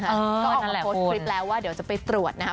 ก็ออกมาโพสต์คลิปแล้วว่าเดี๋ยวจะไปตรวจนะครับ